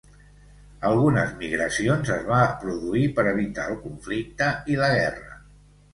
Algunes migracions es va produir per evitar el conflicte i la guerra.